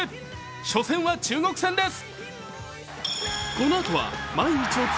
初戦は中国戦です。